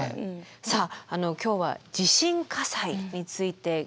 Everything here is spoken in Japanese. さあ今日は地震火災について見てきました。